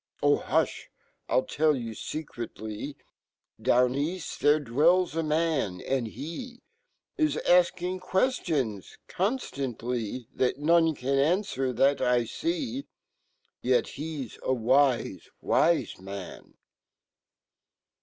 Ch,hu(h! riltellyou secretly, DownEafl fhere dwells a man ,and he Is afking quertions conrtantly, That none can anfwer, fhat I see j Yet he c s a wise 'wise man!